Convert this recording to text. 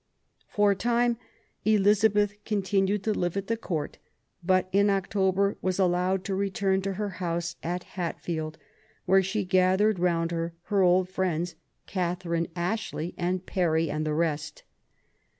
For a time Elizabeth continued to live at the Court, but in October was allowed to return to her house at Hatfield, where she gathered round her her old friends, Catherine Ashley and Parry, and the rest.